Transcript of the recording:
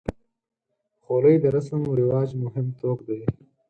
خولۍ د رسم و رواج مهم توک دی.